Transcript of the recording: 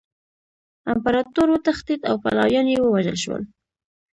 امپراطور وتښتید او پلویان یې ووژل شول.